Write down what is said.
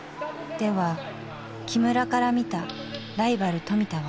では木村から見たライバル富田は？